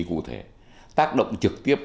cụ thể tác động trực tiếp